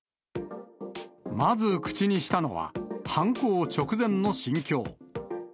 まず口にしたのは、犯行直前の心境。